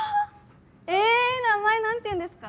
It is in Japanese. え名前何ていうんですか？